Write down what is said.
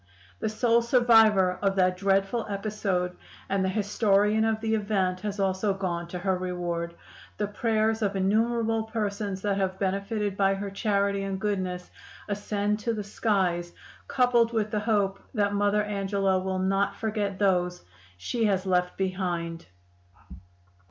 The sole survivor of that dreadful episode and the historian of the event has also gone to her reward. The prayers of innumerable persons that have benefited by her charity and goodness ascend to the skies, coupled with the hope that Mother Angela will not forget those she has left behind.